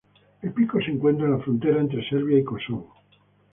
El pico se encuentra en la frontera entre Serbia y Kosovo.